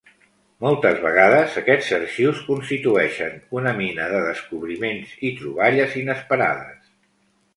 Moltes vegades aquests arxius constitueixen una mina de descobriments i troballes inesperades.